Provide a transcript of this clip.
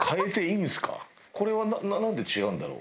これはなんで違うんだろう？